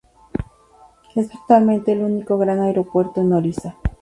Es actualmente el único gran aeropuerto en Orissa.